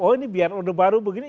oh ini biar orde baru begini